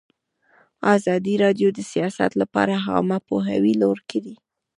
ازادي راډیو د سیاست لپاره عامه پوهاوي لوړ کړی.